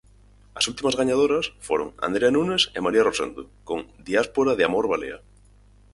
As últimas gañadoras foron Andrea Nunes e María Rosendo con Diáspora de amor balea.